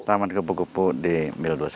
taman kupu kupu di mil dua puluh satu